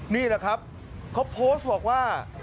นี่แหละครับเขาโพสต์บอกว่า